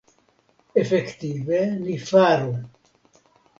Efektive ni faru.